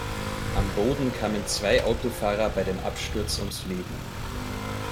Am Boden kamen zwei Autofahrer bei dem Absturz ums Leben.